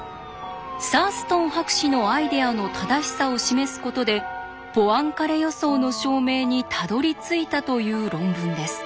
サーストン博士のアイデアの正しさを示すことでポアンカレ予想の証明にたどりついたという論文です。